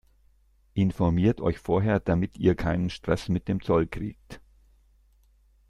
Informiert euch vorher, damit ihr keinen Stress mit dem Zoll kriegt!